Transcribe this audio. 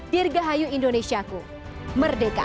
dirgahayu indonesiaku merdeka